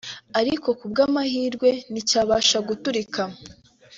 ariko kubw’amahirwe nti cyabasha guturika